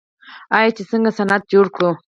آیا چې څنګه صنعت جوړ کړو؟